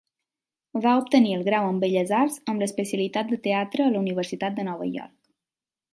Va obtenir el Grau en Belles Arts amb l'especialitat de teatre a la Universitat de Nova York.